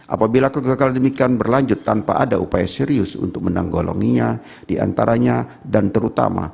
apabila kegagalan demikian berlanjut tanpa ada upaya serius untuk menanggulanginya diantaranya dan terutama